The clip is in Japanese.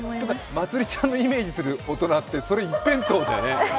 まつりちゃんのイメージする大人って、それ一辺倒だよね。